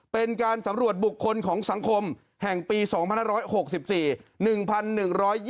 เป็นการสำรวจบุคคลของสังคมแห่งปี๒๕๖๔